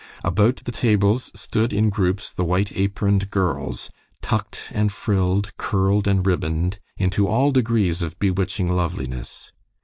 About the tables stood in groups the white aproned girls, tucked and frilled, curled and ribboned into all degrees of bewitching loveliness.